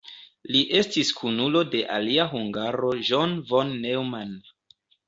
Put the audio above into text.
Li estis kunulo de alia hungaro John von Neumann.